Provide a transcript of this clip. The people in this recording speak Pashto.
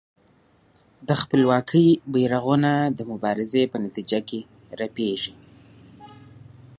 د خپلواکۍ بېرغونه د مبارزې په نتیجه کې رپېږي.